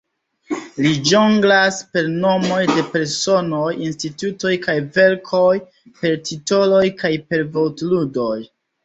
Li ĵonglas per nomoj de personoj, institutoj kaj verkoj, per titoloj kaj per vortludoj.